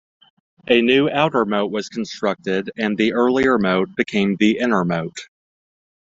A new outer moat was constructed, and the earlier moat became the inner moat.